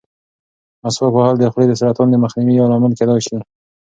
مسواک وهل د خولې د سرطان د مخنیوي یو لامل کېدای شي.